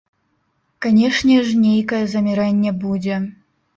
Канечне ж, нейкае замірэнне будзе.